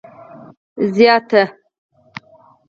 زیاته